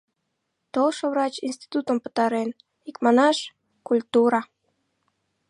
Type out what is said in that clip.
Толшо врач институтым пытарен, икманаш, — культура!